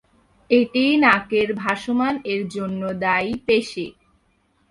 এটি নাকের "ভাসমান" এর জন্য দায়ী পেশী।